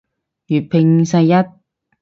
粵拼世一